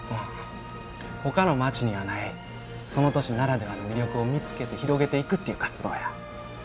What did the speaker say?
ほかの町にはないその都市ならではの魅力を見つけて広げていくっていう活動や。